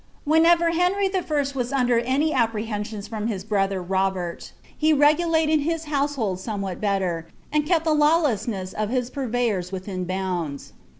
Whenever Henry t. was under any apprehensions from his brother Robett, he regulated his household somewhat better, and kept the law lessness of his purveyors within bounds.